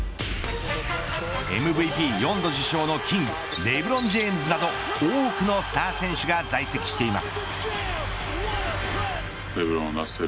ＭＶＰ、４度受賞のキングレブロン・ジェームズなど多くのスター選手が在籍しています。